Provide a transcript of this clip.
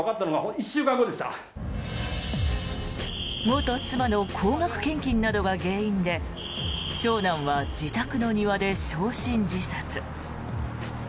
元妻の高額献金などが原因で長男は自宅の庭で焼身自殺。